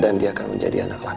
dan dia akan menjadi anak laki laki